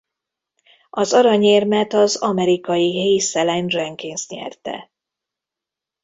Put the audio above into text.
Az aranyérmet az amerikai Hayes Alan Jenkins nyerte.